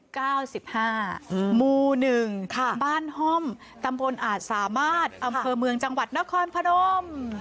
เก้าสิบห้าอืมหมู่หนึ่งค่ะบ้านห้อมตำบลอาจสามารถอำเภอเมืองจังหวัดนครพนม